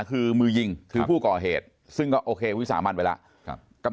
คือมือยิงคือผู้ก่อเหตุซึ่งก็โอเควิสามันไปแล้ว